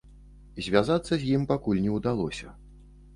Звязацца з ім пакуль не ўдалося.